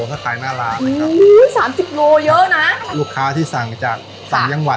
สไตล์หน้าร้านนะครับสามสิบโลเยอะนะลูกค้าที่สั่งจากต่างจังหวัด